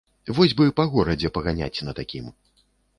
Вось бы па горадзе паганяць на такім!